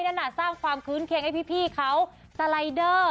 นั่นน่ะสร้างความคื้นเค็งให้พี่เขาสไลเดอร์